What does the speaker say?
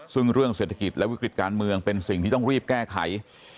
ซึ่งเรื่องเศรษฐกิจและวิกฤติการเมืองเป็นสิ่งที่ต้องรีบแก้ไข